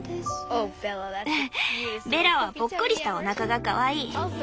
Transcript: ベラはぽっこりしたおなかがかわいい。